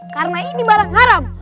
karena ini barang haram